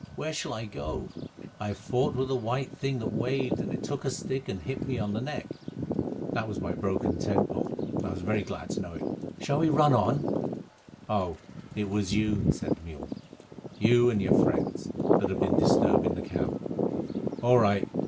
Where shall I go? I have fought with a white thing that waved, and it took a stick and hit me on the neck." (That was my broken tent pole, and I was very glad to know it.) "Shall we run on?" "Oh, it was you," said the mule, "you and your friends, that have been disturbing the camp? All right.